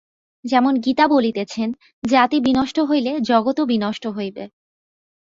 যেমন গীতা বলিতেছেন, জাতি বিনষ্ট হইলে জগৎও বিনষ্ট হইবে।